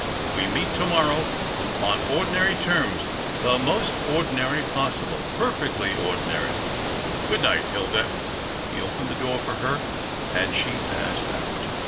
We meet to morrow on ordinary terms — the most ordinary possible — perfectly ordinary. Good night, Hilda." He opened the door for her, and she passed out. THE OCTAVE OF CLAUDIUS.